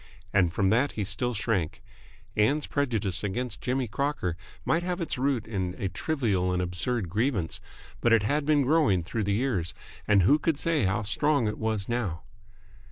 And from that he still shrank. Ann's prejudice against Jimmy Crocker might have its root in a trivial and absurd grievance, but it had been growing through the years, and who could say how strong it was now?